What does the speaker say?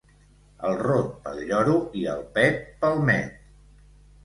El rot pel lloro i el pet pel met.